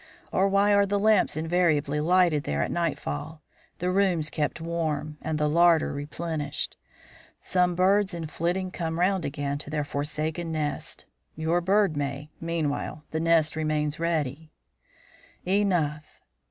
Or why are the lamps invariably lighted there at nightfall, the rooms kept warm, and the larder replenished? Some birds in flitting come round again to their forsaken nest. Your bird may; meanwhile the nest remains ready." "Enough!"